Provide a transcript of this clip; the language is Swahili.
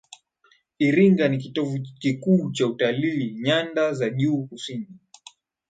iringa ni kitovu kikuu cha utalii nyanda za juu kusini